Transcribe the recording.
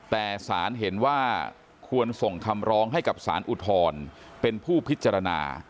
แต่สารเห็นว่าควรส่งคำร้องให้กับสารอุทธรณ์เป็นผู้พิจารณา